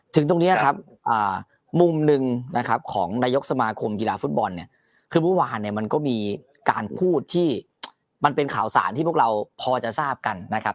ถึงตรงนี้ครับมุมหนึ่งนะครับของนายกสมาคมกีฬาฟุตบอลเนี่ยคือเมื่อวานเนี่ยมันก็มีการพูดที่มันเป็นข่าวสารที่พวกเราพอจะทราบกันนะครับ